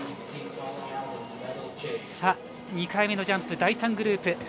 ２回目のジャンプ、第３グループ。